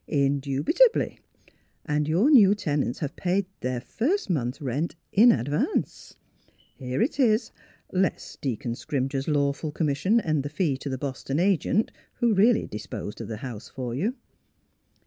"" Indubitably, and your new tenants have paid down their first month's rent in advance. Here it is, less Deacon Scrimger's lawful commission and the fee to the Boston agent, who really dis posed of the house for you."